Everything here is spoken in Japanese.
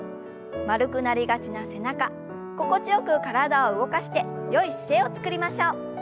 丸くなりがちな背中心地よく体を動かしてよい姿勢をつくりましょう。